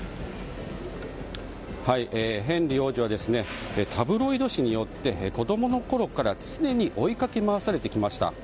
ヘンリー王子はタブロイド紙によって子供のころから常に追い掛け回されてきました。